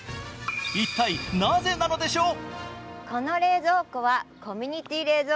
一体、なぜなのでしょう。